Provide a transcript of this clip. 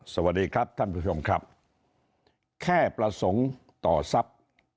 สวัสดีครับท่านผู้ชมครับแค่ประสงค์ต่อทรัพย์